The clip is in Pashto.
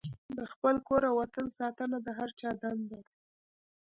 د خپل کور او وطن ساتنه د هر چا دنده ده.